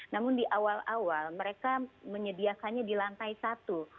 namun di awal awal mereka menyediakannya di lantai satu